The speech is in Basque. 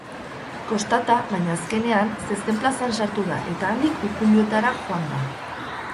Kostata, baina azkenean zezen plazan sartu da eta handik ukuiluetara joan da.